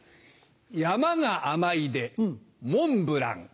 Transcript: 「山」が「甘い」でモンブラン。